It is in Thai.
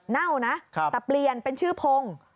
เน่านะแต่เปลี่ยนเป็นชื่อพงศ์